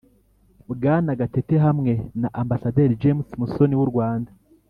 bwana gatete hamwe na ambasaderi james musoni w'u rwanda